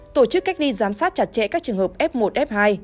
tổ chức cách ly giám sát chặt chẽ các trường hợp f một f hai